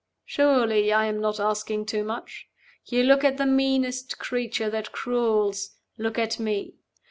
"Surely I am not asking too much? You look at the meanest creature that crawls look at Me.